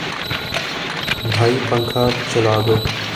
بھائی پنکھا چلا دو